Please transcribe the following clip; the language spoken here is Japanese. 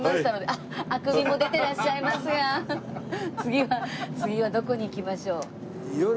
あっあくびも出てらっしゃいますが次は次はどこに行きましょう？